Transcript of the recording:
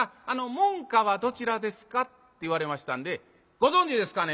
門下はどちらですか？」って言われましたんで「ご存じですかね。